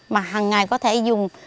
mà hằng ngày có thể dùng